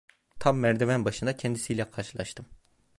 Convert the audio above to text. Tam merdiven başında kendisi ile karşılaştım.